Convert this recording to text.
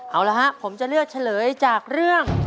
เอาละฮะผมจะเลือกเฉลยจากเรื่อง